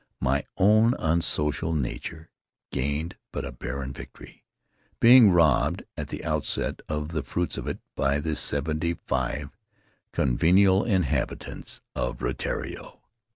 my own unsocial nature gained but a barren victory, being robbed, at the outset, of the fruits of it, by the seventy five convivial inhabitants of Rutiaro.